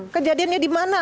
kejadiannya di mana